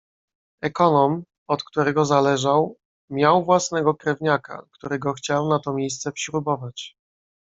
"Ekonom, od którego zależał, miał własnego krewniaka, którego chciał na to miejsce wśrubować."